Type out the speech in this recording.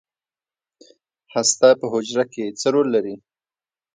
هسته په حجره کې څه رول لري؟